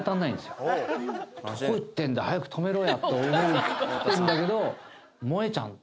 どこ行ってるんだ早く止めろやって思ってるんだけど。